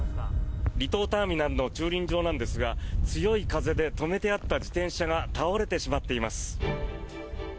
離島ターミナルの駐輪場なんですが強い風で止めてあった自転車が倒れてしまっています。